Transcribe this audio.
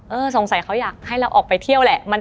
สงสัยเขาอยากให้เราออกไปเที่ยวแหละ